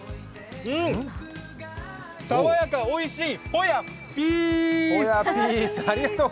爽やか、おいしい、ホヤピース！